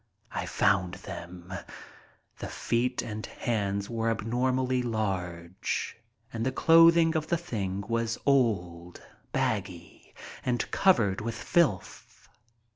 I found them. The feet and hands were abnormally large, and the clothing of the thing was old, baggy, and covered with filth.